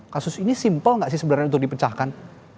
kasus ini simpel gak sih sebenarnya untuk dipecahkan